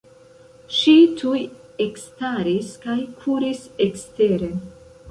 Ŝi tuj ekstaris kaj kuris eksteren.